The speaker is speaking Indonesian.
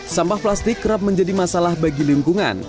sampah plastik kerap menjadi masalah bagi lingkungan